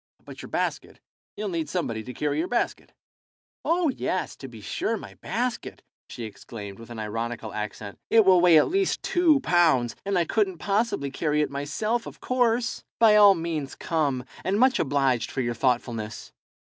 "But your basket. You'll need somebody to carry your basket." "Oh yes, to be sure, my basket," she exclaimed, with an ironical accent. "It will weigh at least two pounds, and I couldn't possibly carry it myself, of course. By all means come, and much obliged for your thoughtfulness."